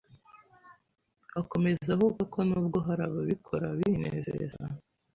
Akomeza avuga ko n’ubwo hari ababikora binezeza,